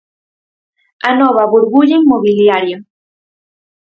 'A nova burbulla inmobiliaria'.